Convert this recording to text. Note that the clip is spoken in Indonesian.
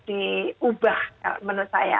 diubah menurut saya